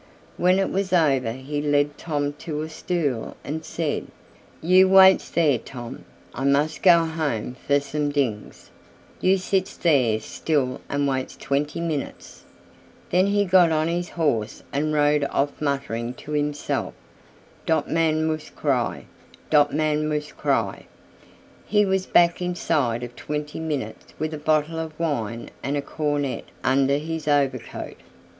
When it was over he led Tom to a stool and said, "You waits there, Tom. I must go home for somedings. You sits there still and waits twenty minutes;" then he got on his horse and rode off muttering to himself; "Dot man moost gry, dot man moost gry." He was back inside of twenty minutes with a bottle of wine and a cornet under his overcoat.